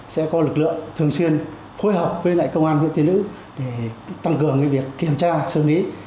sẽ có lực lượng thường xuyên phối hợp với lại công an huyện tiên nữ để tăng cường việc kiểm tra xử lý